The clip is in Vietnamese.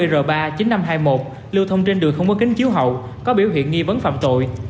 r ba chín nghìn năm trăm hai mươi một lưu thông trên đường không có kính chiếu hậu có biểu hiện nghi vấn phạm tội